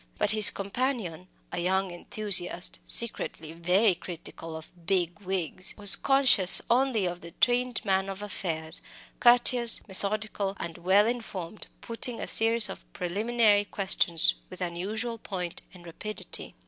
But his companion a young enthusiast, secretly very critical of "big wigs" was conscious only of the trained man of affairs, courteous, methodical, and well informed, putting a series of preliminary questions with unusual point and rapidity.